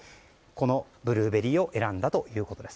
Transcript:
このブルーベリーを選んだということです。